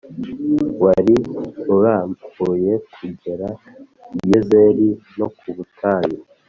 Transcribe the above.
wari urambuye kugera i Yezeri no ku butayu,